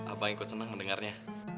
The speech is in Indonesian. abang ikut senang mendengarnya